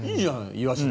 イワシで。